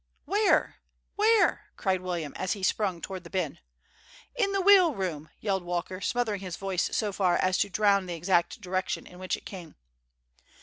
"Where? where?" cried William, as he sprung toward the bin. "In the wheel room!" yelled Walker, smothering his voice so far as to drown the exact direction in which it came.